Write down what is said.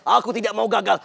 aku tidak mau gagal